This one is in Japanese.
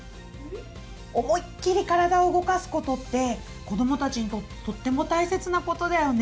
思いっきり体を動かすことって子どもたちにとってとっても大切なことだよね。